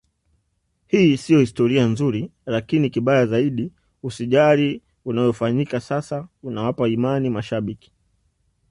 Hii sio historia nzuri lakini kibaya zaidi usajili unaofanyika sasa unawapa imani mashabiki